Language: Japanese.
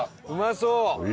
うまそう！